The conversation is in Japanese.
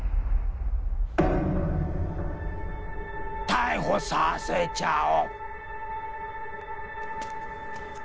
逮捕させちゃお！